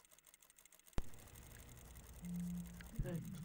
udongo wa bonde la ngorongoro una rutuba kwa wingi sana